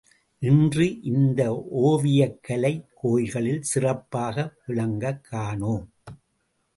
இன்று இந்த ஓவியக் கலை கோயில்களில் சிறப்பாக விளங்கக் காணோம்.